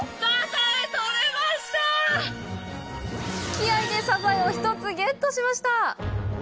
気合いでサザエを１つ、ゲットしました！